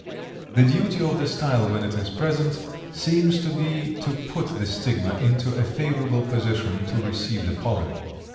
The duty of the style, when it is present, seems to be to put the stigma into a favorable position to receive the pollen.